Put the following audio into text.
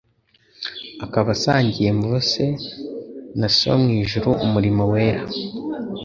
akaba asangiye mvose na Se wo mu ijuru umurimo wera.